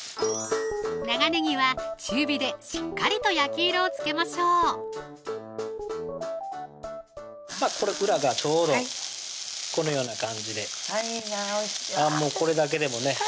長ねぎは中火でしっかりと焼き色をつけましょうこれ裏がちょうどこのような感じでいいなぁおいしいわこれだけでもね